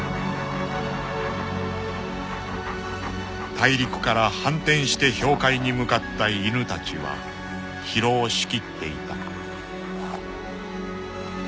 ［大陸から反転して氷海に向かった犬たちは疲労しきっていた］